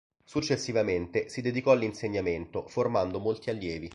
Successivamente si dedicò all'insegnamento formando molti allievi.